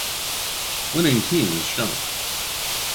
Winning team is shown.